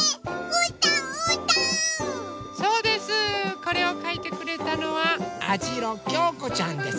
これをかいてくれたのはあじろきょうこちゃんです。